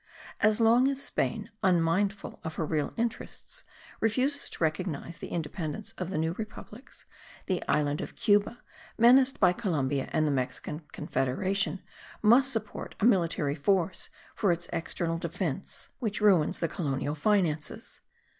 As long as Spain, unmindful of her real interests, refuses to recognize the independence of the New Republics, the island of Cuba, menaced by Columbia and the Mexican Confederation, must support a military force for its external defence, which ruins the colonial finances.